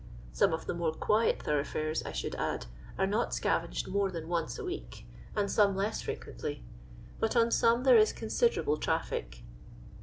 Some of the more quiet thorough fiires, I should add, are not scavenged more than once a week, and some less frequently; but on some there is considerable traffic.